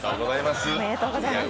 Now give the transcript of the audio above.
おめでとうございます。